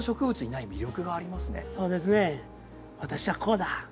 私はこうだ！